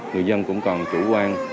người dân cũng còn chủ quan